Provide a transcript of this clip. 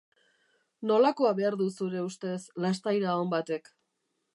Nolakoa behar du zure ustez lastaira on batek?